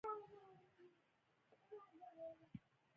جنګ د اړيکو خرابولو او کمزوري کولو سبب دی.